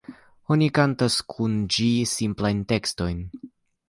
Oni kantas kun ĝi simplajn tekstojn.